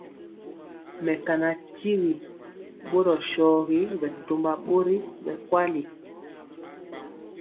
Mekana tyigi borɔ shɔgi bɛtɔmba bori bɛ kweli.